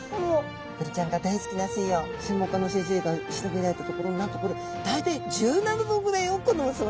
ブリちゃんが大好きな水温専門家の先生が調べられたところなんとこれ大体１７℃ぐらいを好むそうなんです。